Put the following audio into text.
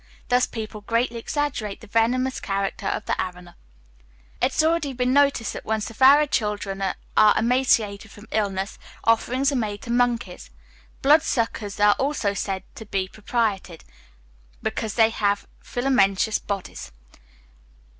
Thus people greatly exaggerate the venomous character of the arana." It has already been noted (p. 73) that, when Savara children are emaciated from illness, offerings are made to monkeys. Blood suckers are also said to be propitiated, because they have filamentous bodies.